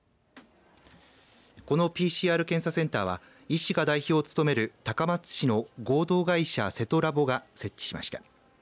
このＰＣＲ検査センターは医師が代表を務める高松市の合同会社ｓｅｔｏｌａｂｏが設置しました。